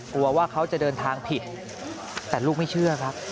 กลัวว่าเขาจะเดินทางผิดแต่ลูกไม่เชื่อครับ